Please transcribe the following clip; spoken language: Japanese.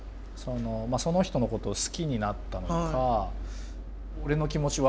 その人のことを好きになったのか「俺の気持ち分かる？